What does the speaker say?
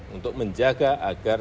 untuk menjaga agar